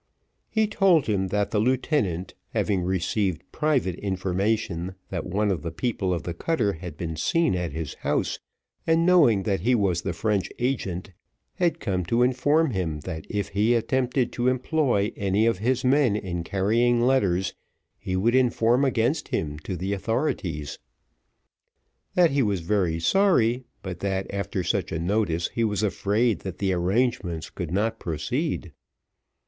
He told him that the lieutenant having received private information that one of the people of the cutter had been seen at his house, and knowing that he was the French agent, had come to inform him that if he attempted to employ any of his men in carrying letters, that he would inform against him to the authorities. That he was very sorry, but that after such a notice he was afraid that the arrangements could not proceed.